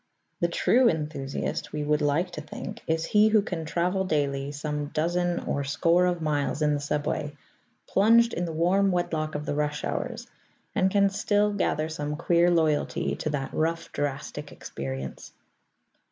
The true enthusiast, we would like to think, is he who can travel daily some dozen or score of miles in the subway, plunged in the warm wedlock of the rush hours; and can still gather some queer loyalty to that rough, drastic experience.